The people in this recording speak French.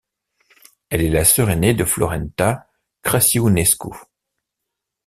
Elle est la sœur aînée de Florența Crăciunescu.